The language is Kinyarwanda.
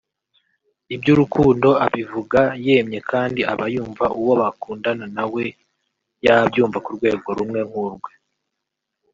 Iby’urukundo abivuga yemye kandi aba yumva uwo bakundana nawe yabyumva ku rwego rumwe nk’urwe